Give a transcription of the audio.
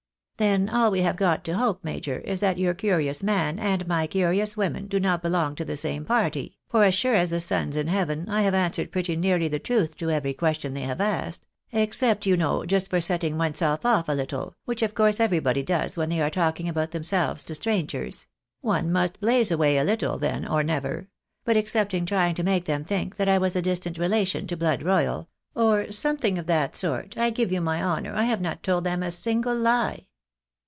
" Then all we have got to hope, major, is, that your curious man, and my curious women, do not belong to the same party ; for as sure as the sun's in heaven, I have answered pretty nearly the truth to every question they have asked ; except, you know, just for setting oneself off a little, which of course everybody does when they are talking about themselves to strangers ; one must blaze away a little then or never ; but excepting trying to make them think that I was a distant relation to blood royal, or something of that sort, I give you my honour I have not told a single he."